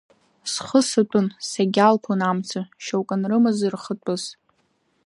Схы сатәын, сагьалԥон амца, шьоук анрымаз рххатәыс.